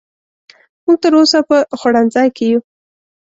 موږ تر اوسه په خوړنځای کې وو.